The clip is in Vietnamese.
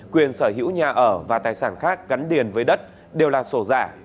quyền sở hữu nhà ở và tài sản khác gắn điền với đất đều là sổ giả